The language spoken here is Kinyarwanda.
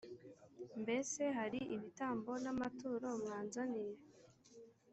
mbese hari ibitambo n amaturo mwanzaniye